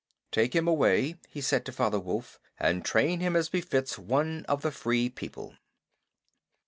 "Take him away," he said to Father Wolf, "and train him as befits one of the Free People."